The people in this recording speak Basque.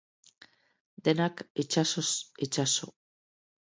Denak, itsasoz itsaso.